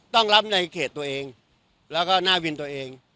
ต้องรับในเขตตัวเองแล้วก็หน้าวินตัวเอง